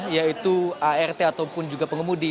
yaitu art ataupun juga pengemudi